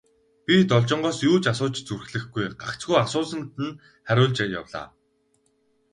Би Должингоос юу ч асууж зүрхлэхгүй, гагцхүү асуусанд нь хариулж явлаа.